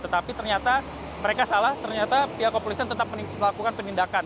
tetapi ternyata mereka salah ternyata pihak kepolisian tetap melakukan penindakan